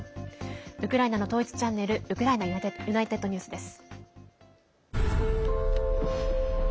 ウクライナの統一チャンネルウクライナＵｎｉｔｅｄＮｅｗｓです。